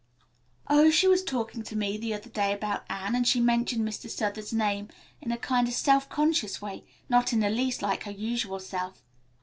"Oh, she was talking to me the other day about Anne, and she mentioned Mr. Southard's name in a kind of self conscious way, not in the least like her usual self.